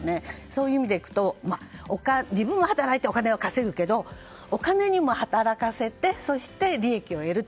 そういう意味でいくと自分が働いてお金を稼ぐけどお金にも働かせてそして、利益を得る。